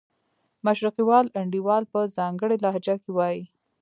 مشرقي وال انډیوال په ځانګړې لهجه کې وایي.